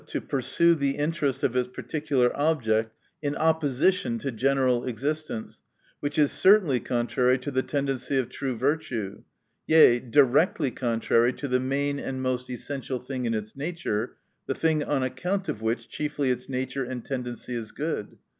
to pursue the interest of its particular object in opposition to general existence ; which is certainly con trary to the tendency of true virtue ; yea, directly contrary to the main and most essential thing in its nature, the thing on account of which chiefly its nature and tendency is good.